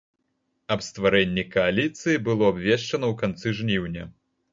Аб стварэнні кааліцыі было абвешчана ў канцы жніўня.